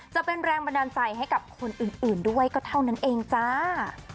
จะเป็นแรงบันดาลใจให้กับคนอื่นด้วยก็เท่านั้นเองจ้า